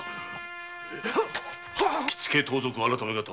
「火附盗賊改方」